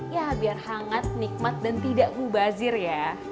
ya biar hangat nikmat dan tidak mubazir ya